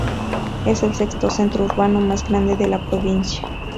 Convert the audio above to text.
Es el sexto centro urbano más grande de la provincia.